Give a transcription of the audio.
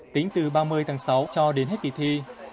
tính từ ba mươi tháng sáu cho đến hết kỳ thi